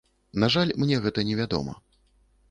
На жаль, мне гэта не вядома.